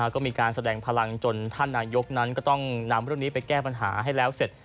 ก็มีการแสดงพลังจนท่านนายกนั้นก็ต้องนำเรื่องนี้ไปแก้ปัญหาให้แล้วเสร็จ